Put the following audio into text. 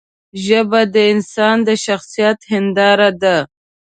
ژبه د انسان د شخصیت هنداره ده